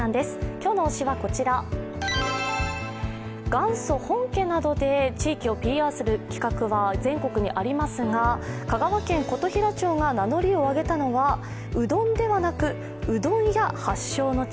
今日の推しはこちら、元祖、本家などで地域をＰＲする方法は全国にありますが、香川県琴平町が名乗りを上げたのはうどんではなくうどん屋発祥の地。